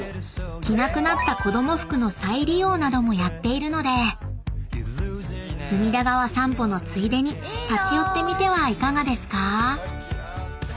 ［着なくなった子供服の再利用などもやっているので隅田川散歩のついでに立ち寄ってみてはいかがですか？］